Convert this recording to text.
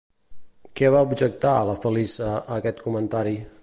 Què va objectar, la Feliça, a aquest comentari?